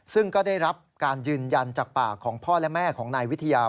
ซึ่งก็ได้รับการยืนยันจากปากของพ่อและแม่ของนายวิทยา